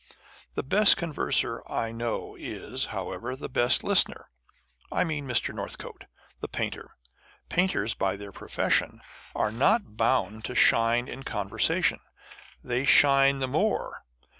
The best converser I know is, however, the best listener. I mean Mr. Northcote, the painter. Painters by their profession are not bound to shine in conversation, and they shine the more.